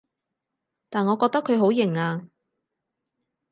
但我覺得佢好型啊